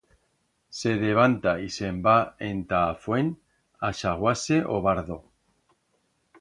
Se devanta y se'n va enta a fuent a xaguar-se o bardo.